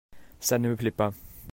Ça ne me plait pas.